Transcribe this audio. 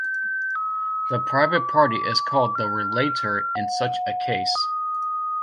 The private party is called the "relator" in such a case.